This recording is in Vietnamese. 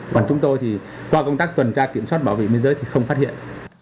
còn chúng tôi thì qua công tác tuần tra kiểm soát bảo vệ biên giới thì không phát hiện